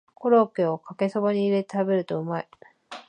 コロッケをかけそばに入れて食べるとうまい